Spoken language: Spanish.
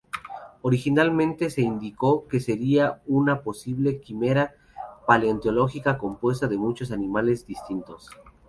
Originalmente se indicó que sería una posible quimera paleontológica compuesta de muchos animales distintos.